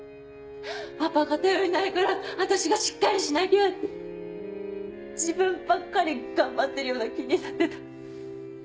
パパが頼りないから私がしっかりしなきゃって自分ばっかり頑張ってるような気になってた。